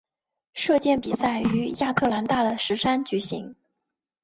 射箭比赛于亚特兰大的石山举行。